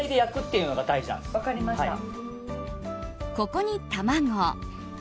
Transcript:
ここに卵。